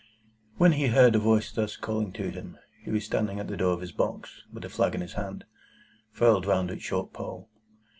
When he heard a voice thus calling to him, he was standing at the door of his box, with a flag in his hand, furled round its short pole.